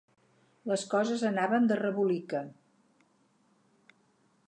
Les coses anaven de rebolica.